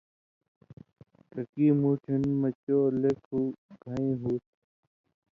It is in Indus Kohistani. ککی مُوٹھیُون مہ چو لیکھوۡ گَھیں ہُو تُھو۔